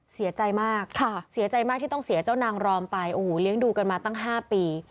เสียใจมากต้องเสียเจ้านางรอมไปโอ้โหเลี้ยงดูกันมาตั้งห้าปี